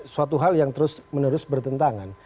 suatu hal yang terus menerus bertentangan